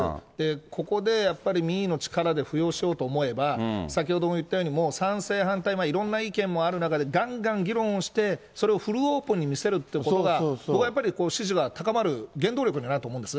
ここでやっぱり、民意の力で浮揚しようと思えば、先ほども言ったように、もう賛成、反対、いろんな意見もある中でがんがん議論をして、それをフルオープンに見せるということが、僕はやっぱり、支持は高まる原動力になると思うんです。